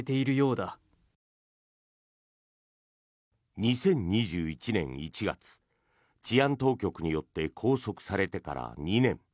２０２１年１月治安当局によって拘束されてから２年。